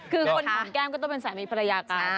คือคนของแก้มก็ต้องเป็นสามีภรรยากัน